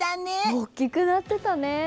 大きくなってたね。